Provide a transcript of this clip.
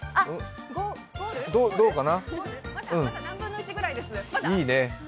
まだ何分の１くらいです。